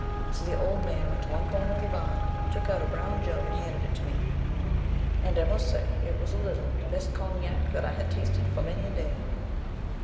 So the old man went to one corner of the barn, took out a brown jug and handed it to me, and I must say it was a little the best cognac that I had tasted for many a day.